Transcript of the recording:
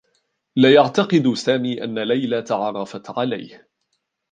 لا يعتقد سامي أنّ ليلى تعرّفت عليه.